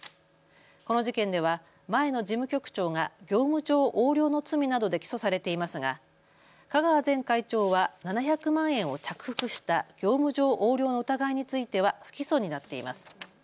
この事件では前の事務局長が業務上横領の罪などで起訴されていますが香川前会長は７００万円を着服した業務上横領の疑いについては不起訴になっています。